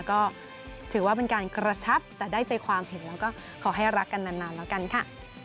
ก็ถือว่าเป็นการกระชับแต่ได้ใจความเห็นแล้วก็ขอให้รักกันนานแล้วกันค่ะ